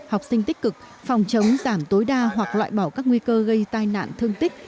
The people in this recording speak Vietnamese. học sinh tích cực phòng chống giảm tối đa hoặc loại bỏ các nguy cơ gây tai nạn thương tích